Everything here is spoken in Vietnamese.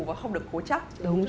và không được hối chấp